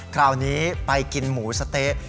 คราวนี้ไปกินหมูสะเต๊ะ